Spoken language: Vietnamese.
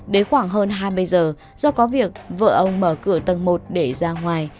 đến khoảng hơn hai mươi giờ do có việc vợ ông mở cửa tầng một để ra ngoài